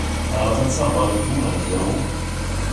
Han har tagit sambalektioner i flera år.